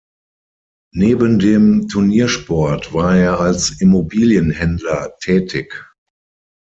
Neben dem Turniersport war er als Immobilienhändler tätig.